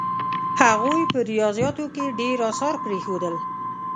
هغوی په ریاضیاتو کې ډېر اثار پرېښودل.